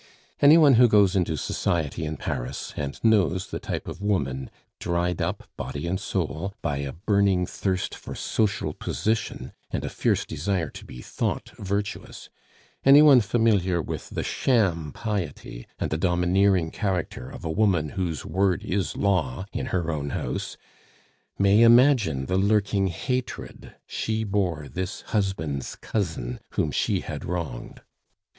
Any one who goes into society in Paris, and knows the type of woman, dried up, body and soul, by a burning thirst for social position, and a fierce desire to be thought virtuous, any one familiar with the sham piety and the domineering character of a woman whose word is law in her own house, may imagine the lurking hatred she bore this husband's cousin whom she had wronged.